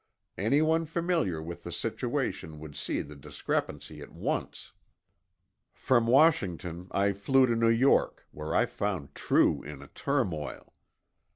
Anyone familiar with the situation would see the discrepancy at once. From Washington I flew to New York, where I found True in a turmoil.